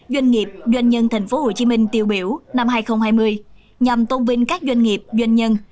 doanh nghiệp doanh nhân tp hcm tiêu biểu năm hai nghìn hai mươi nhằm tôn vinh các doanh nghiệp doanh nhân